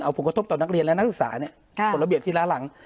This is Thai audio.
ผลกระทบต่อนักเรียนและนักศึกษากฎระเบียบที่ล้าหลัง